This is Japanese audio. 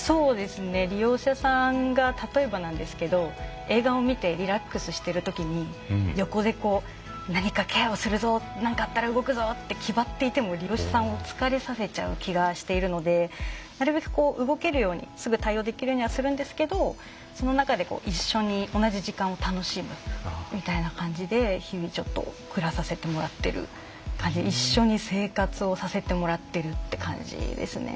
利用者さんが例えばなんですけど映画を見てリラックスしてるときに横でこう何かケアをするぞ何かあったら動くぞって気張っていても利用者さんを疲れさせちゃう気がしているのでなるべくこう動けるようにすぐ対応できるようにはするんですけどその中で一緒に同じ時間を楽しむみたいな感じで日々ちょっと暮らさせてもらってる感じ一緒に生活をさせてもらってるって感じですね。